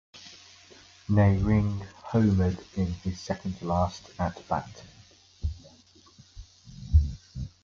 Naehring homered in his second to last at bat.